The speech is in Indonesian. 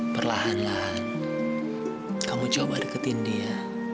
perlahan lahan kamu coba deketin dia